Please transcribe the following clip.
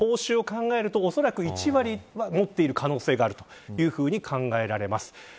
報酬を考えるとおそらく１割を持っている可能性があるというふうに考えられます。